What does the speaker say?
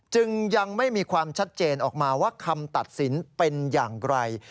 จึงยังไม่มีความชัดเจนออกมาว่าคำตัดสินเป็นอย่างไร